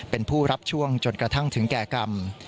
เป็นผู้รับช่วงจนกระทั่งถึงแก่กรรม